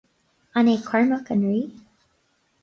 An é Cormac an rí?